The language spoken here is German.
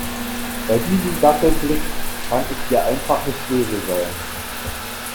Bei diesem Dackelblick kann ich dir einfach nicht böse sein.